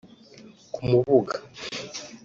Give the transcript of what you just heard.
ku Mubuga